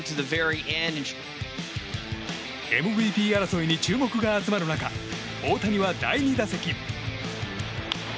ＭＶＰ争いに注目が集まる中大谷は第２打席。